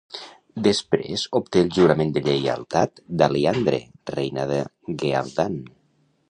Després obté el jurament de lleialtat d'Alliandre, reina de Ghealdan.